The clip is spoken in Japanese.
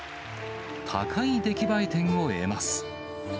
高い出来栄え点を得ます。